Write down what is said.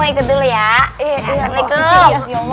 ya allah ya allah